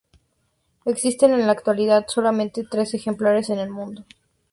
Existen en la actualidad solamente tres ejemplares en el mundo.